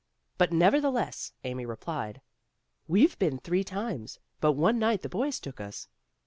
But nevertheless Amy replied, "We've been three times, but one night the boys took us."